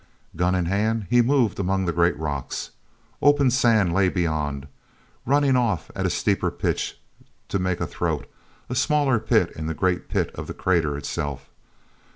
Gun in hand, he moved among the great rocks. Open sand lay beyond, running off at a steeper pitch to make a throat—a smaller pit in the great pit of the crater itself.